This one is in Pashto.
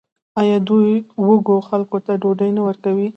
آیا دوی وږو خلکو ته ډوډۍ نه ورکوي؟